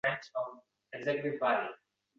Yomon alam qilar qo’rqishim